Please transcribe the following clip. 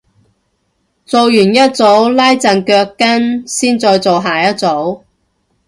做完一組拉陣腳筋先再做下一組